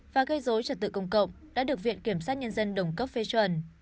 và gây dối trật tự công cộng đã được viện kiểm sát nhân dân đồng cấp phê chuẩn